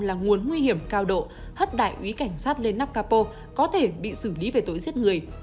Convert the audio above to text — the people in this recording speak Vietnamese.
là nguồn nguy hiểm cao độ hất đại úy cảnh sát lên nắp capo có thể bị xử lý về tội giết người